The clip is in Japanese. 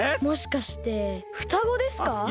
もしかしてふたごですか？